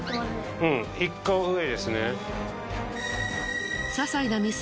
うん１個上ですね。